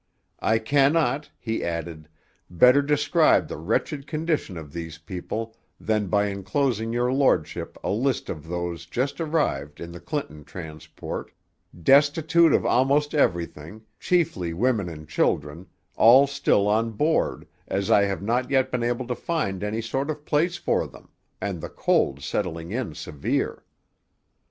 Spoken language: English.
'I cannot,' he added, 'better describe the wretched condition of these people than by inclosing your lordship a list of those just arrived in the Clinton transport, destitute of almost everything, chiefly women and children, all still on board, as I have not yet been able to find any sort of place for them, and the cold setting in severe.'